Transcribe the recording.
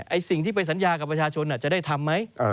สิ่งที่ไปสัญญากับประชาชนจะได้ทำไหม